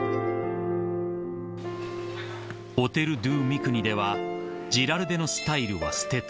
［オテル・ドゥ・ミクニではジラルデのスタイルは捨てた］